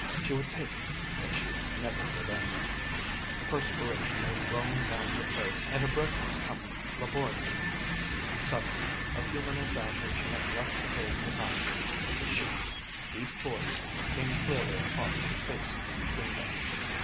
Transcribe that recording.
She would take it, but she would never give in. The perspiration was rolling down her face and her breath was coming laboriously. Suddenly, a few minutes after she had left the hills behind, the Sheik's deep voice came clearly across the space between them.